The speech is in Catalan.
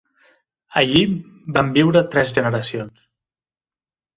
Allí van viure tres generacions.